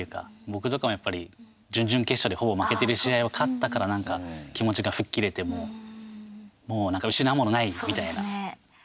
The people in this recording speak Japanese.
僕とかもやっぱり準々決勝でほぼ負けてる試合を勝ったからなんか気持ちが吹っ切れてもうなんか失うものないみたいな。